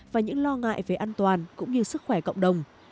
và những lo ngại về an toàn cũng như sức khỏe cộng đồng